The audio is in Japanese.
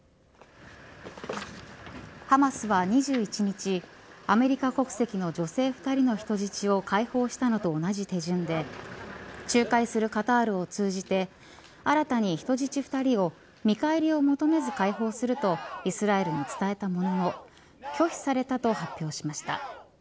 ハマスは２１日アメリカ国籍の女性２人の人質を解放したのと同じ手順で仲介するカタールを通じて新たに人質２人を見返りを求めず解放するとイスラエルに伝えたものの拒否されたと発表しました。